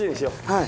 はい。